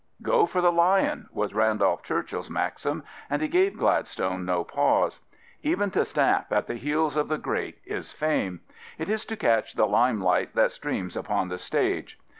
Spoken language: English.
" Go for the lion " was Randolph Churchill's maxim, and he gave Gladstone no pause. Even to snap at the heels of the great is fame. It is to catch the lime light that streams upon the stage.